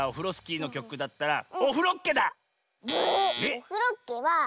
「オフロッケ！」は。